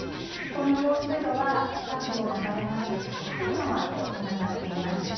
この用水路は近くを流れます祖父川とつながっています。